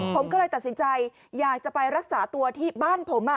ผมก็เลยตัดสินใจอยากจะไปรักษาตัวที่บ้านผม